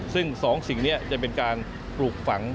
ซึ่ง๒สิ่งนี้จะเป็นการปลูกฝัง